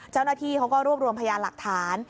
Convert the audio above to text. เจ้าหน้าที่เขาก็รวบรวมพยานหลักฐาน